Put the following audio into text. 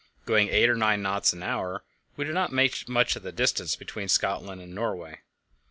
Going eight or nine knots an hour, we did not make much of the distance between Scotland and Norway.